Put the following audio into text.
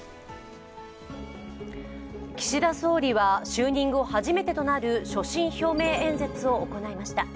岸田総理は就任後初めてとなる所信表明演説を行いました。